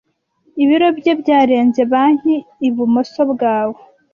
Ibiro bye byarenze banki ibumoso bwawe.